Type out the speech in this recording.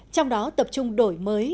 trong đó tập trung đổi mới